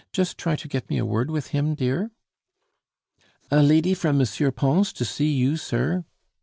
Just try to get me a word with him, dear." "A lady from M. Pons to see you, sir!"